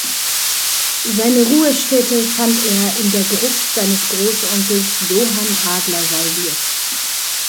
Seine Ruhestätte fand er in der Gruft seines Großonkels Johan Adler Salvius.